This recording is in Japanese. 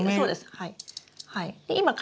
はい。